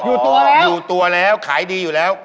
อยู่ตัวอยู่ตัวแล้วขายดีอยู่แล้ว